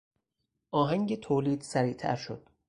آهنگ تولید سریعتر شد.